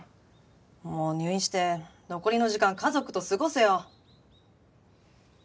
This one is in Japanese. もう入院して残りの時間家族と過ごせよ